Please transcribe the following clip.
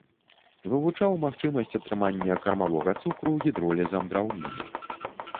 Вывучаў магчымасць атрымання кармавога цукру гідролізам драўніны.